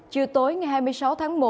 chiều tối ngày hai mươi sáu tháng một